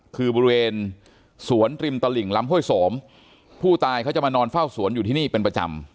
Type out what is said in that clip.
คือบริเวณสวนริมตลิ่งลำห้วยโสมผู้ตายเขาจะมานอนเฝ้าสวนอยู่ที่นี่เป็นประจำ